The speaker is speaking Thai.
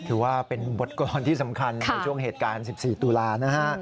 ถือว่าเป็นบทกรที่สำคัญในช่วงเหตุการณ์๑๔ตุลานะฮะ